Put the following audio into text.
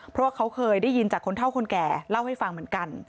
เพราะว่าเขาเคยได้ยินจากคนเท่าคนแก่เล่าให้ฟังเหมือนกัน